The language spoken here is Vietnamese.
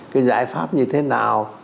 cái giải pháp như thế nào